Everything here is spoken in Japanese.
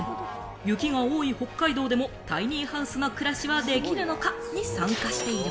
雪が多い北海道でもタイニーハウスの暮らしはできるのか？に参加している。